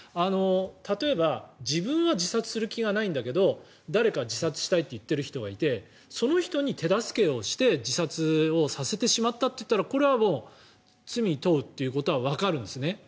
例えば、自分は自殺する気がないんだけど誰か自殺したいと言っている人がいてその人に手助けして自殺をさせてしまったといったらこれは罪に問うということはわかるんですね。